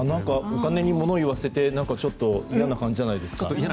お金に物言わせてちょっと嫌な感じじゃないですか？